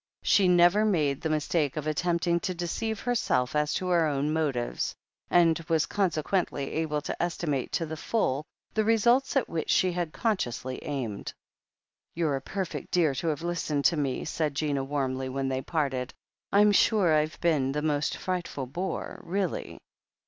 She never made the mistake of attempting to deceive herself as to her own motives, and was consequently able to estimate to the full the results at which she had consciously aimed. "You're a perfect dear to have listened to me," said Gina warmly when they parted. "I'm sure I've been the most frightful bore, really."